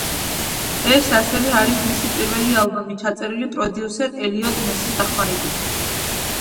ეს ასევე არის მისი პირველი ალბომი, ჩაწერილი პროდიუსერ ელიოტ ნესის დახმარებით.